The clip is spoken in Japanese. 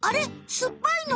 すっぱいの？